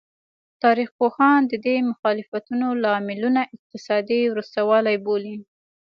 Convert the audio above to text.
تاریخ پوهان د دې مخالفتونو لاملونه اقتصادي وروسته والی بولي.